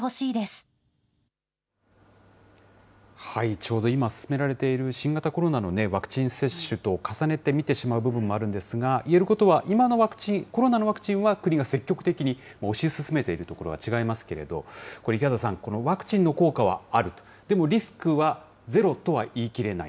ちょうど今、進められている新型コロナのワクチン接種と重ねて見てしまう部分もあるんですが、言えることは、今のコロナのワクチンは国が積極的に推し進めているところは違いますけれど、これ、池端さん、ワクチンの効果はあると、でもリスクはゼロとは言い切れない。